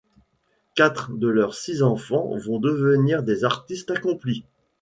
Quatre de leurs six enfants vont devenir des artistes accomplis.